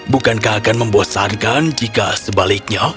bukankah akan membosankan jika sebaliknya